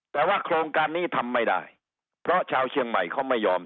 แต่ว่าโครงการนี้ทำไม่ได้เพราะชาวเชียงใหม่เขาไม่ยอม